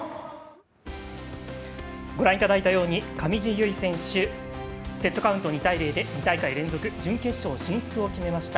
ご覧いただいたようにセットカウント２対０で２大会連続準決勝進出を決めました。